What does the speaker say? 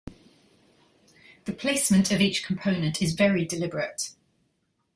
The placement of each component is very deliberate.